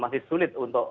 masih sulit untuk